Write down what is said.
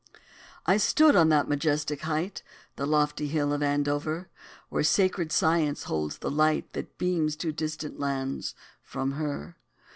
I stood on that majestic height, The lofty Hill of Andover, Where sacred science holds the light That beams to distant lands from her.